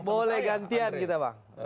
boleh gantian kita bang